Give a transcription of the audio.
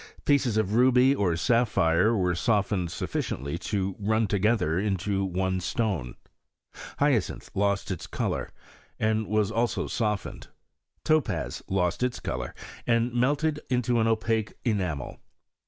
Pieces of ruby or sapphire were softened sufficiently to run together into one stone. Hyacinth lost its colour, and was also softened. Topaz lost its colour, and melted into an opaque enamel.